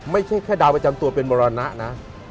ไม่ใช่แค่ดาวประจำตัวเป็นมรณะนะ